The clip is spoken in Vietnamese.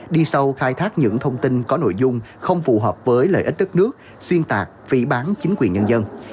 đi sâu khai thác những thông tin có nội dung không phù hợp với lợi ích đất nước xuyên tạc phỉ bán chính quyền nhân dân